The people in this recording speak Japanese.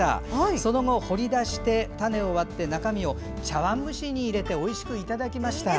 その後、掘り出して種を割って中身を茶わん蒸しに入れておいしくいただきました。